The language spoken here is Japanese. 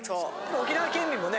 沖縄県民もね